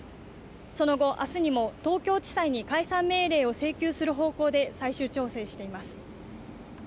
その後明日にも東京地裁に解散命令を請求する方向で最終調整しています